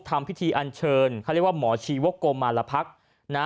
ทำพิธีอันเชิญเขาเรียกว่าหมอชีวกโกมารพักษ์นะ